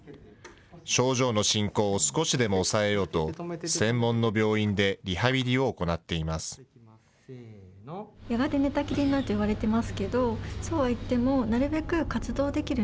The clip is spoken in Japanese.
症状の進行を少しでも抑えようと、専門の病院でリハビリを行っています。